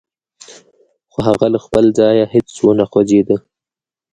خو هغه له خپل ځايه هېڅ و نه خوځېده.